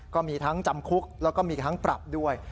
ก็มีทั้งจำคุกแล้วก็มีทั้งปรับด้วย